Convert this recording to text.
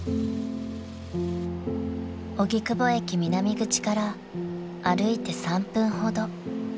［荻窪駅南口から歩いて３分ほど］